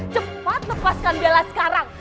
cepat lepaskan bella sekarang